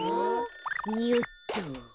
よっと。